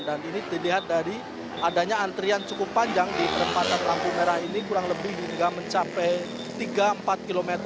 dan ini dilihat dari adanya antrian cukup panjang di perempatan lampu merah ini kurang lebih hingga mencapai tiga empat km